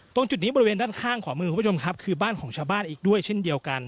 ตรงจุดนี้บริเวณด้านข้างขวามือคุณผู้ชมครับคือบ้านของชาวบ้านอีกด้วยเช่นเดียวกัน